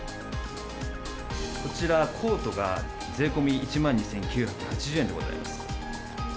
こちら、コートが税込み１万２９８０円でございます。